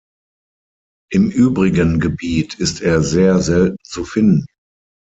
Im übrigen Gebiet ist er sehr selten zu finden.